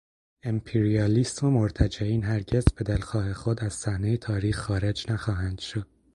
امپریالیسم و مرتجعین هرگز بدلخواه خود از صحنهٔ تاریخ خارج نخواهند شد.